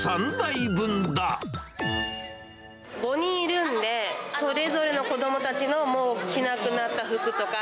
５人いるんで、それぞれの子どもたちの、もう着なくなった服とか。